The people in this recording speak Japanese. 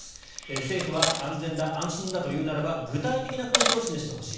政府は安全だ安心だと言うならば具体的な根拠を示してほしい。